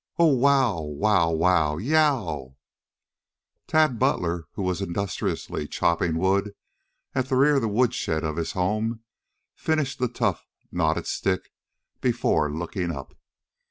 "Ow, Wow, Wow, Wow! Y E O W!" Tad Butler, who was industriously chopping wood at the rear of the woodshed of his home, finished the tough, knotted stick before looking up.